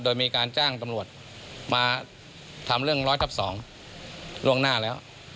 โดยมีการจ้างตำรวจมาทำเรื่องร้อยทับ๒ล่วงหน้าแล้ว